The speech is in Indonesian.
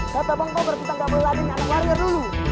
nah temen dua penggak ada kapal kita